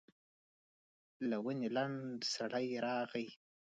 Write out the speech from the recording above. له ونې لنډ سړی راغی.